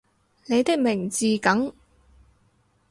你的名字梗